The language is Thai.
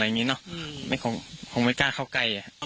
อย่างงี้เนอะอืมไม่คงคงไม่กล้าเข้าใกล่อ่ะ